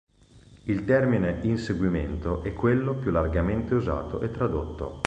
Il termine "inseguimento" è quello più largamente usato e tradotto.